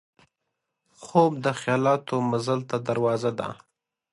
خوب د خیالاتو مزل ته دروازه ده